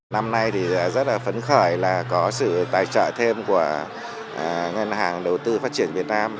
năm nay thì rất là phấn khởi là có sự tài trợ thêm của ngân hàng đầu tư phát triển việt nam